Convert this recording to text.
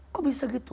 kok bisa begitu